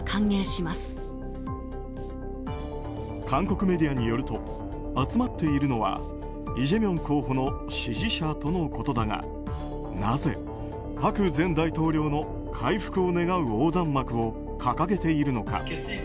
韓国メディアによると集まっているのはイ・ジェミョン候補の支持者とのことだがなぜ、朴前大統領の回復を願う横断幕を掲げているのか。